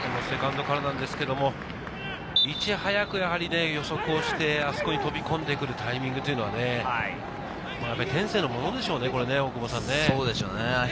セカンドからですがいち早く予測をして、あそこに飛び込んでくるタイミングというのは、やっぱり天性のものでしょうね。